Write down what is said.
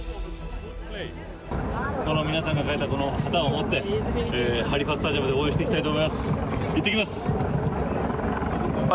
皆さんが書いた旗を持ってハリーファスタジアムで応援してきます。